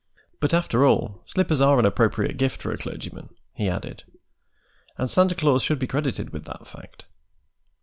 But, after all, slippers are an appropriate gift for a clergyman," he added, "and Santa Claus should be credited with that fact.